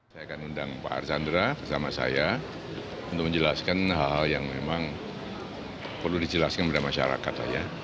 saya akan undang pak archandra bersama saya untuk menjelaskan hal hal yang memang perlu dijelaskan kepada masyarakat